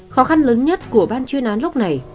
khó khăn lớn nhất của ban chuyên án lúc này